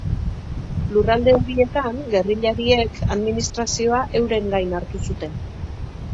Lurralde horietan gerrillariek administrazioa euren gain hartu zuten.